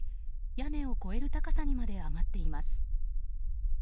屋根を越える高さにまで上がっています。